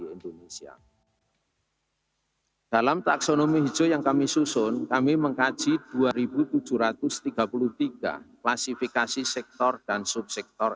indonesia dalam taksonomi hijau yang kami susun kami mengkaji dua ribu tujuh ratus tiga puluh tiga klasifikasi sektor dan subsektor